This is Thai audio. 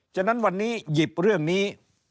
ฉะนั้นวันนี้หยิบเรื่องนี้